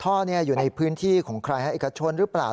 พ่ออยู่ในพื้นที่ของใครฮะเอกชนหรือเปล่า